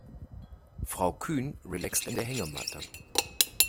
Frau Kühn relaxt in der Hängematte.